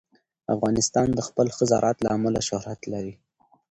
افغانستان د خپل ښه زراعت له امله شهرت لري.